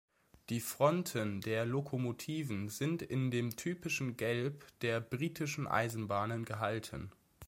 Die Fronten der Lokomotiven sind in dem typischen Gelb der britischen Eisenbahnen gehalten.